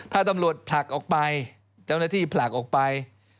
ถ้าตำรวจผลักออกไปเจ้าหน้าที่ผลักออกไป